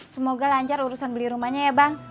semoga lancar urusan beli rumahnya ya bang